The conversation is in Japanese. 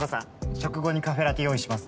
食後にカフェラテ用意しますね。